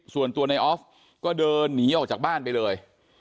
ส่วนตัวในออฟก็เดินหนีออกจากบ้านไปเลย